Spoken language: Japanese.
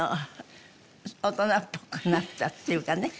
大人っぽくなったっていうかね。